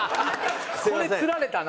これ釣られたな。